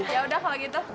ya udah kalau gitu